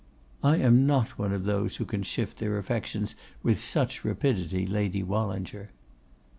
'I am not one of those who can shift their affections with such rapidity, Lady Wallinger.